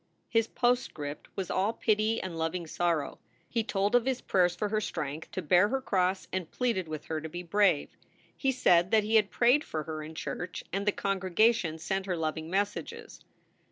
His postscript was all pity and loving sorrow ; he told of his prayers for her strength to bear her cross and pleaded with her to be brave. He said that he had prayed for her in church and the congregation sent her loving messages.